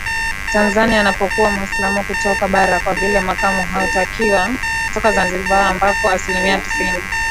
Tanzania anapokuwa Mwislamu kutoka Bara kwa vile Makamu hutakiwa kutoka Zanzibar ambako asilimia tisini